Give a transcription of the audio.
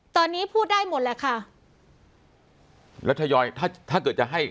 ตอนนี้พูดได้หมดแหละค่ะแล้วทยอยถ้าถ้าเกิดจะให้